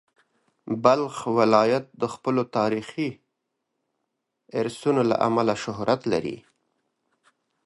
بلخ ولایت د خپلو تاریخي ارثونو له امله شهرت لري.